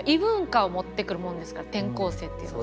転校生っていうのは。